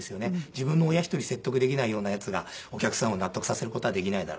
自分の親一人説得できないようなヤツがお客さんを納得させる事はできないだろうと。